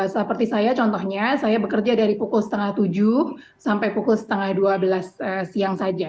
seperti saya contohnya saya bekerja dari pukul setengah tujuh sampai pukul setengah dua belas siang saja